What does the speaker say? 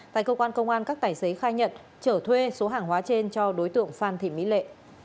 tại cơ quan công an các tài xế khai nhận trở thuê số hàng hóa trên cho đối tượng phan thị mỹ lệ